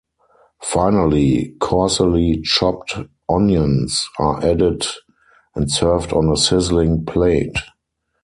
Finally, coarsely chopped onions are added and served on a sizzling plate.